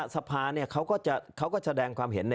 สภาเขาก็แสดงความเห็น